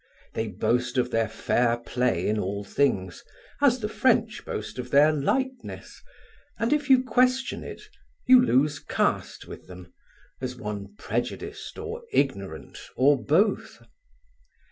They boast of their fair play in all things as the French boast of their lightness, and if you question it, you lose caste with them, as one prejudiced or ignorant or both.